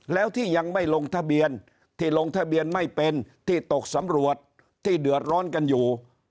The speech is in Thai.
แล้วที่ยังไม่ลงทะเบียนที่ลงทะเบียนไม่เป็นที่ตกสำรวจที่เดือดร้อนกันอยู่